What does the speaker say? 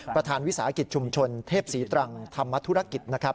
ประธานวิศาคิตชุมชนเทพศรีตรังธรรมธุรกิจนะครับ